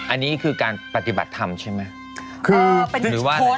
อันนี้คือการปฏิบัติธรรมใช่ไหม